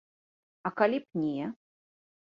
А калі б не.